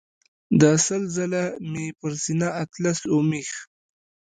که سل ځله مې پر سینه اطلس ومیښ.